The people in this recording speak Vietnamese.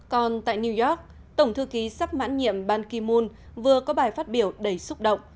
còn tại new york tổng thư ký sắp mãn nhiệm ban ki moon vừa có bài phát biểu đầy xúc động